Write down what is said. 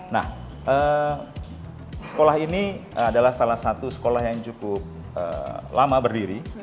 nah sekolah ini adalah salah satu sekolah yang cukup lama berdiri